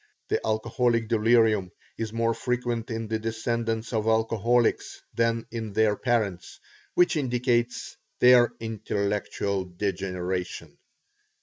The alcoholic delirium is more frequent in the descendants of alcoholics than in their parents, which indicates their intellectual degeneration."